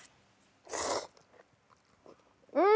うん！